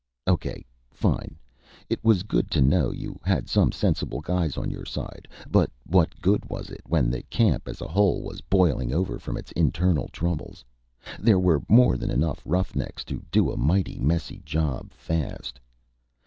Okay fine. It was good to know you had some sensible guys on your side. But what good was it, when the camp as a whole was boiling over from its internal troubles? There were more than enough roughnecks to do a mighty messy job fast.